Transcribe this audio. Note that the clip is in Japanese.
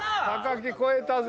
木超えたぜ！